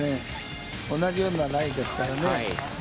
同じようなライですからね。